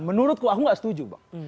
menurutku aku gak setuju bang